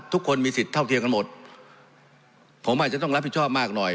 ทุกคนมีสิทธิ์เท่าเทียมกันหมดผมอาจจะต้องรับผิดชอบมากหน่อย